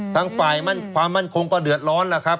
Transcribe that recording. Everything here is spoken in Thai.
ทั้งฝ่ายความมั่นคงก็เดือดร้อนแล้วครับ